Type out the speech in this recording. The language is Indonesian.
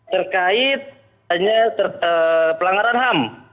terkait pelanggaran ham